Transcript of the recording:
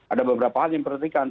ada beberapa hal yang diperhatikan